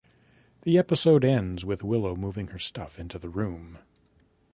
The episode ends with Willow moving her stuff into the room.